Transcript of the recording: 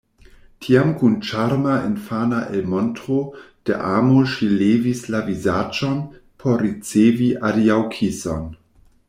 Tiam kun ĉarma infana elmontro de amo ŝi levis la vizaĝon por ricevi adiaŭkison.